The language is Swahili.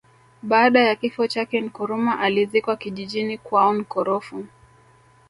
Baada ya kifo chake Nkrumah alizikwa kijijini kwao Nkrofu